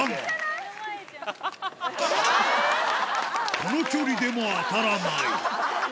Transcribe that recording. この距離でも当たらない。